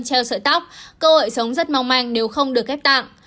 theo sợi tóc cơ hội sống rất mong manh nếu không được kép tạng